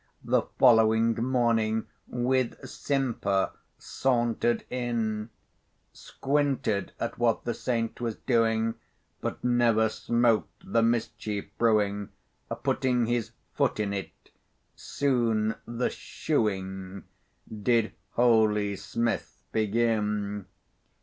the following morning, With simper sauntered in; Squinted at what the saint was doing, But never smoked the mischief brewing, Putting his foot in't; soon the shoeing Did holy smith begin.